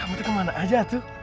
kamu tuh kemana aja tuh